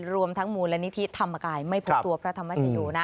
รวมทั้งมูลนิธิธรรมกายไม่พบตัวพระธรรมชโยนะ